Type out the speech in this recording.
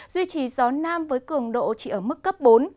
duy trì gió nam với cường độ chỉ ở mức cấp bốn